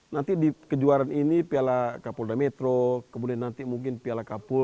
nanti di kejuaraan ini piala kapolda metro kemudian nanti mungkin piala kapul